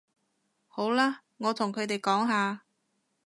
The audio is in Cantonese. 好啦，我同佢哋講吓